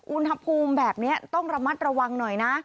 อุณหภูมิแบบนี้ต้องระมัดระวังหน่อยนะ